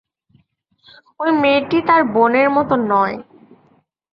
এই মেয়েটি তার বোনের মতো নয়।